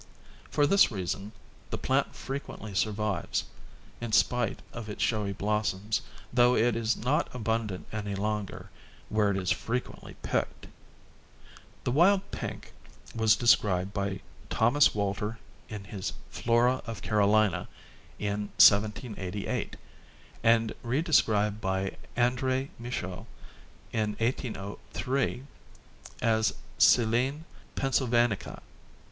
For this reason the plant frequently survives, in spite of its showy blossoms, though it is not abundant any longer, where it is frequently picked. The Wild Pink was described by Thomas Walter in his Flora of Carolina in 1788, and redescribed by Andr4 Michaux in 1803 as Silene Pennsylvanica.